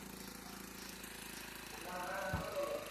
তার কাজের জন্য তাকে বেশ কয়েকটি পদক দেওয়া হয়েছিল।